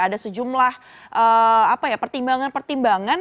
ada sejumlah pertimbangan pertimbangan